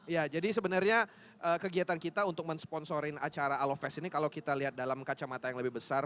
ya jadi sebenarnya kegiatan kita untuk mensponsorin acara alofest ini kalau kita lihat dalam kacamata yang lebih besar